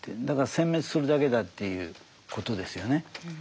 だから殲滅するだけだということですよね。